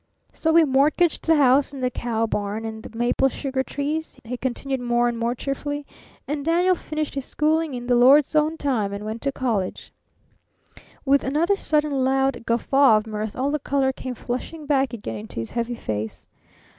So we mortgaged the house and the cow barn and the maple sugar trees," he continued, more and more cheerfully, "and Daniel finished his schooling in the Lord's own time and went to college." With another sudden, loud guffaw of mirth all the color came flushing back again into his heavy face.